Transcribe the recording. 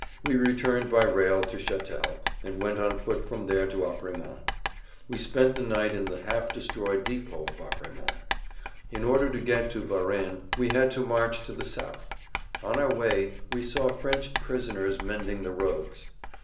We returned by rail to Chatel, and went on foot from there to Apremont. We spent the night in the half destroyed depot of Apremont. In order to get to Varennes we had to march to the south. On our way we saw French prisoners mending the roads.